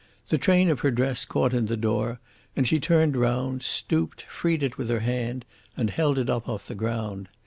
The train of her dress caught in the door, and she turned round, stooped, freed it with her hand, and held it up off the ground.